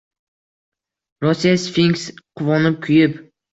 Rossiya – sfinks. Quvonib, kuyib